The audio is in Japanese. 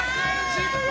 失敗！